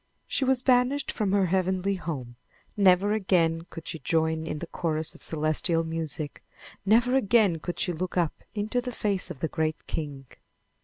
She was banished from her heavenly home. Never again could she join in the chorus of celestial music. Never again could she look up into the face of the great King.